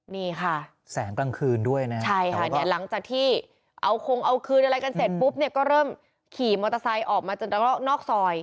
นี่ค่ะแสงกลางคืนด้วยนะใช่ค่ะเนี่ยหลังจากที่เอาคงเอาคืนอะไรกันเสร็จปุ๊บเนี่ยก็เริ่มขี่มอเตอร์ไซค์ออกมาจากนอกซอย